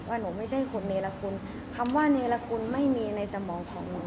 หนูไม่ใช่คนเนรคุณคำว่าเนรคุณไม่มีในสมองของหนู